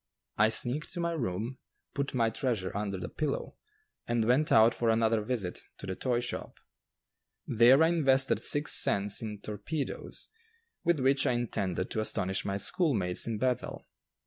I sneaked to my room, put my treasure under the pillow, and went out for another visit to the toy shop. There I invested six cents in "torpedoes," with which I intended to astonish my schoolmates in Bethel.